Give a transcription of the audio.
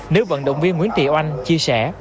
nữ vận động viên nguyễn thị oanh chia sẻ